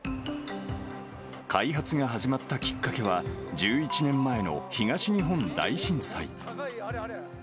開発が始まったきっかけは、１１年前の東日本大震災。